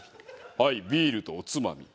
はいビールとおつまみ。